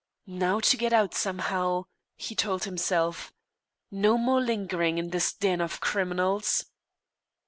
"Now to get out somehow!" he told himself. "No more lingering in this den of criminals!"